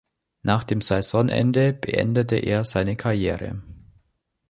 Nach dem Saisonende beendete er seine Karriere.